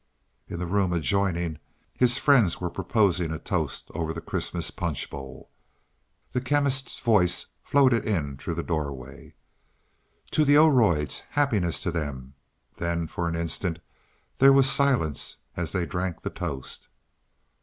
In the room adjoining, his friends were proposing a toast over the Christmas punch bowl. The Chemist's voice floated in through the doorway. "To the Oroids happiness to them." Then for an instant there was silence as they drank the toast.